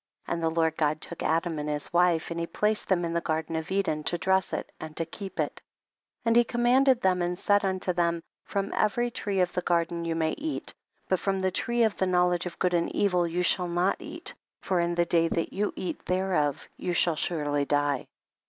7. And the Lord God took Adam and his wife, and he placed them in the garden of Eden to dress it and to keep it ; and he commanded them and said unto them, from every tree of the garden you may eat, but from the tree of the knowledge of good and evil you shall not eat, for in the day that you eat thereof you shall surely die.